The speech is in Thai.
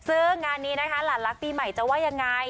ซึ่งงานนี้นะคะหลานรักปีใหม่จะว่ายังไง